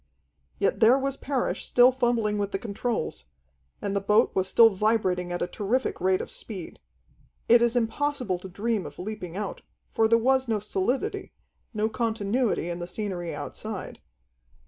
Yet there was Parrish still fumbling with the controls, and the boat was still vibrating at a terrific rate of speed. It is impossible to dream of leaping out, for there was no solidity, no continuity in the scenery outside.